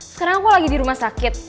sekarang aku lagi di rumah sakit